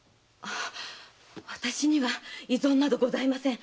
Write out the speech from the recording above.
私には異存などございません。